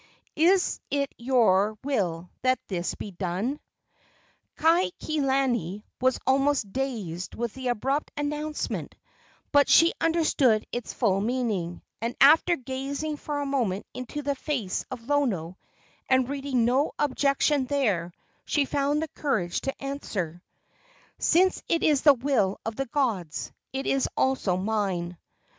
Is it your will that this be done?" Kaikilani was almost dazed with the abrupt announcement; but she understood its full meaning, and, after gazing for a moment into the face of Lono and reading no objection there, she found the courage to answer: "Since it is the will of the gods, it is also mine."